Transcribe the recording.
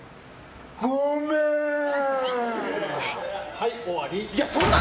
はい、終わり！